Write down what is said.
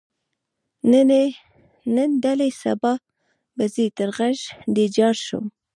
نن دلې سبا به ځې تر غږ دې جار شم.